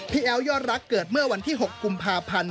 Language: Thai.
แอ้วยอดรักเกิดเมื่อวันที่๖กุมภาพันธ์